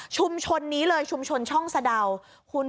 ชุมชนนี้เลยชุมชนช่องสะดาว